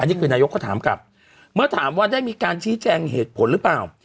นี่คือนายกก็ถามกลับเมื่อถามว่าได้มีการชี้แจงเหตุผลหรือเปล่า